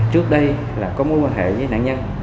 trước đây là có mối quan hệ với nạn nhân